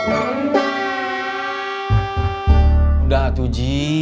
udah hatu ji